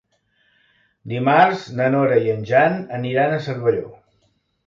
Dimarts na Nora i en Jan aniran a Cervelló.